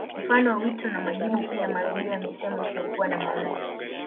Mfano wa wito na majibu pia marudio ya misemo isiyokuwa na maana